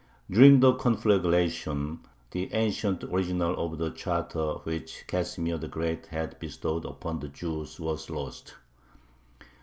During the conflagration the ancient original of the charter which Casimir the Great had bestowed upon the Jews was lost.